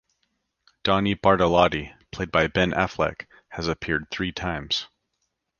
Donnie Bartalotti, played by Ben Affleck, has appeared three times.